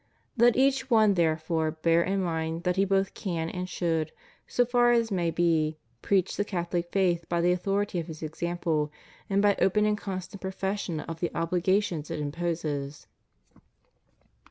^ Let each one therefore bear in mind that he both can and should, so far as may be, preach the Catholic faith by the authority of his example, and by open and constant profession of the obhgations it imposes.